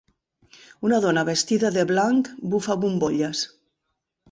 Una dona vestida de blanc bufa bombolles